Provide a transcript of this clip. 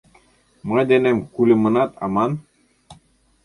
Мый денем кульымынат аман!